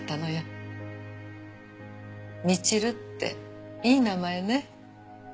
みちるっていい名前ね。